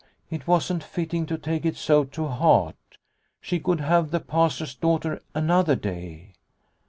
It wasn't fitting to take it so to heart. She could have the Pastor's daughter another day.